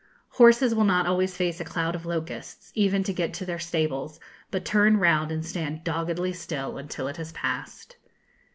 Horses will not always face a cloud of locusts, even to get to their stables, but turn round and stand doggedly still, until it has passed.